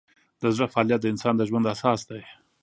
د زړه فعالیت د انسان د ژوند اساس دی.